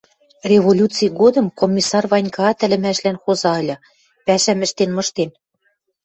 Революци годым Комиссар Ванькаат ӹлӹмӓшлӓн хоза ыльы, пӓшӓм ӹштен мыштен.